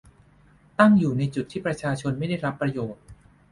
ตั้งอยู่ในจุดที่ประชาชนไม่ได้รับประโยชน์